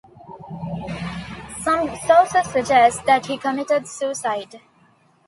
Some sources suggest that he committed suicide.